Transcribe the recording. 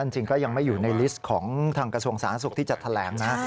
จริงก็ยังไม่อยู่ในลิสต์ของทางกระทรวงสาธารณสุขที่จะแถลงนะ